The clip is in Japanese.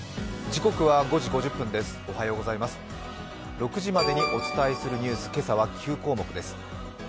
６時までにお伝えするニュース、今朝は９項目です。